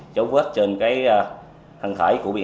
dấu vết trên cái hăng khởi của bị hại